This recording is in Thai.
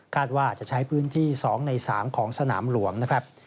ว่าจะใช้พื้นที่๒ใน๓ของสนามหลวงนะครับ